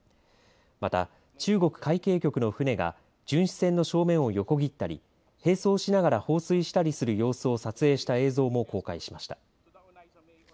また、中国海警局の船が巡視船の正面を横切ったり並走しながら放水したりする様子を撮影した映像も公開しました。